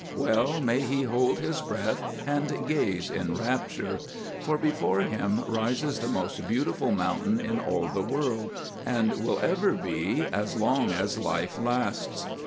Well may he hold his breath and gaze in rapture, for before him rises the most beautiful mountain in all the world and will ever be as long as life lasts.